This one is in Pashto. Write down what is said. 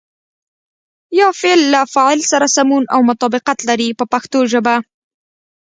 یا فعل له فاعل سره سمون او مطابقت لري په پښتو ژبه.